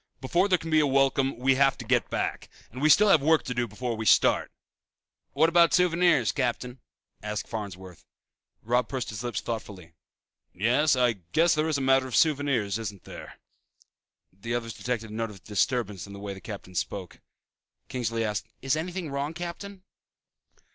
Before there can be a welcome we have to get back. And we still have work to do before we start." "What about souvenirs, Captain?" asked Farnsworth. Robb pursed his lips thoughtfully, "Yes, I guess there is a matter of souvenirs, isn't there." The others detected a note of disturbance in the way the captain spoke. Kingsley asked, "Is anything wrong, Captain?"